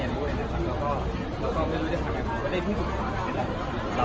ผมเป็นคนที่อยากยังทำอ่ะก็คือเตรียมตัวแต่ว่า